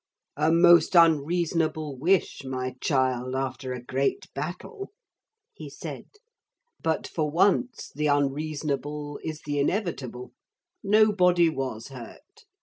'A most unreasonable wish, my child, after a great battle!' he said. 'But for once the unreasonable is the inevitable. Nobody was hurt.